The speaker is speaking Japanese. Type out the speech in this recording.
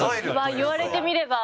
言われてみれば。